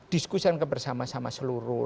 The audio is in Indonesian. diskusikan bersama sama seluruh